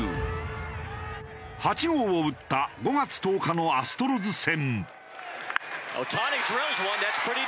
８号を打った５月１０日のアストロズ戦。